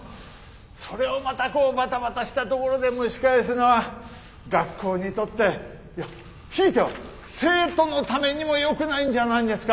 それをまたこうバタバタしたところで蒸し返すのは学校にとっていやひいては生徒のためにもよくないんじゃないんですか？